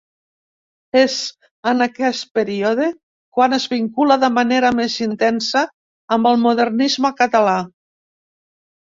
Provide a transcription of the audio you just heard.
És en aquest període quan es vincula de manera més intensa amb el modernisme català.